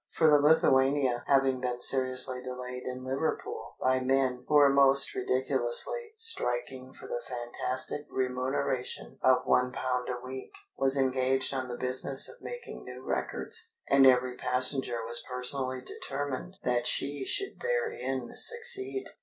For the Lithuania, having been seriously delayed in Liverpool by men who were most ridiculously striking for the fantastic remuneration of one pound a week, was engaged on the business of making new records. And every passenger was personally determined that she should therein succeed.